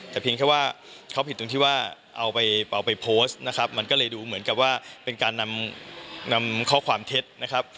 แต่เพียงแค่ว่าเขาผิดตรงที่ว่าเอาไปโพสต์นะครับมันก็เลยดูเหมือนกับว่าเป็นการนำข้อความเท็จนะครับ